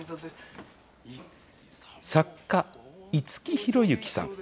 作家、五木寛之さん。